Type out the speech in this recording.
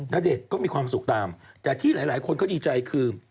ณเดชน์ก็มีความสุขตามแต่ที่หลายคนก็ดีใจคือ